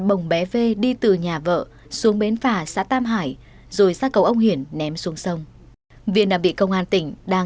ông tiến nói